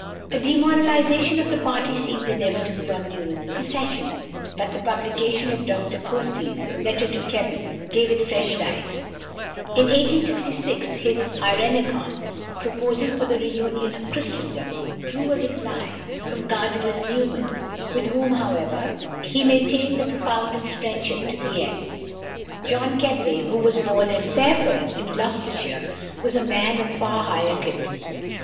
A demoralization of the party seemed inevitable on Newman's secession, but the publication of Dr Pusey's "Letter to Keble" gave it fresh life. In 1866 his "Eirenicon," a proposal for the reunion of Christendom, drew a reply from Cardinal Newman, with whom, however, he maintained the profoundest friendship to the end. =John Keble (1792 1866)=, who was born at Fairford, in Gloucestershire, was a man of far higher gifts.